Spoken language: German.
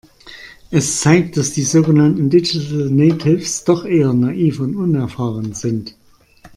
Es zeigt, dass die sogenannten Digital Natives doch eher naiv und unerfahren sind.